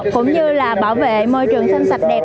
cũng như là bảo vệ môi trường xanh sạch đẹp